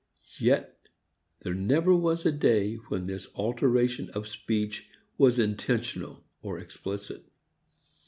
Yet there never was a day when this alteration of speech was intentional or explicit.